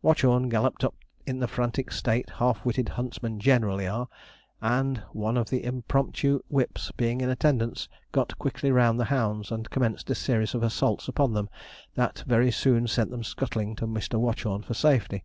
Watchorn galloped up in the frantic state half witted huntsmen generally are, and one of the impromptu whips being in attendance, got quickly round the hounds, and commenced a series of assaults upon them that very soon sent them scuttling to Mr. Watchorn for safety.